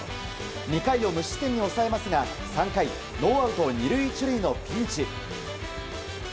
２回を無失点に抑えますが３回ノーアウト２塁１塁のピンチ。